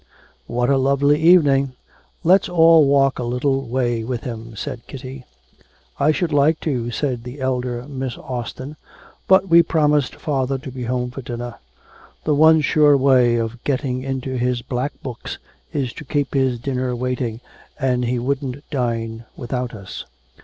'What a lovely evening! Let's all walk a little way with him,' said Kitty. 'I should like to,' said the elder Miss Austin, 'but we promised father to be home for dinner. The one sure way of getting into his black books is to keep his dinner waiting, and he wouldn't dine without us.'